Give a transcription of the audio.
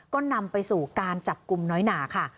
ก็นำไปสู่การจับกลุ่มน้อยหนาค่ะ